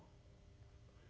「え？